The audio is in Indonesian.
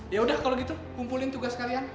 yaudah kalau gitu kumpulin tugas kalian